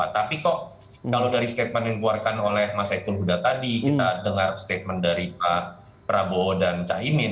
tapi kok kalau dari statement yang dikeluarkan oleh mas saiful huda tadi kita dengar statement dari pak prabowo dan caimin